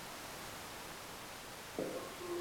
It is egg-shaped and fruits in winter.